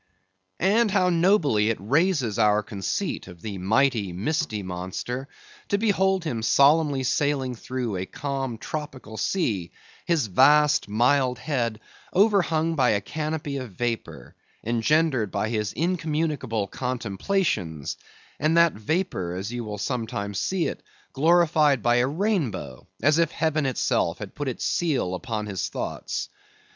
And how nobly it raises our conceit of the mighty, misty monster, to behold him solemnly sailing through a calm tropical sea; his vast, mild head overhung by a canopy of vapor, engendered by his incommunicable contemplations, and that vapor—as you will sometimes see it—glorified by a rainbow, as if Heaven itself had put its seal upon his thoughts.